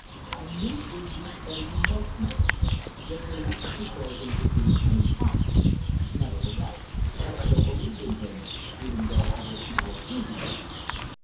I knew Digby better than most men. The police had declared him to be an impostor; nevertheless, I still believed in him, even though he was now a fugitive.